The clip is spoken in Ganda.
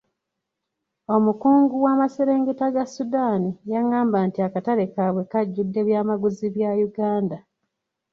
Omukungu w'amaserengeta ga Sudan yang'amba nti akatale kaabwe kajjudde byamaguzi bya Uganda .